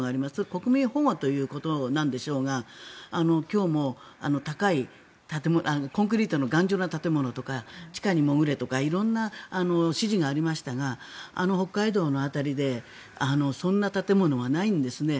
国民保護ということなんでしょうが今日も高いコンクリートの頑丈な建物とか地下に潜れとか色んな指示がありましたがあの北海道の辺りでそんな建物はないんですね。